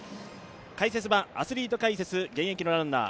解説はアスリート解説現役のランナー。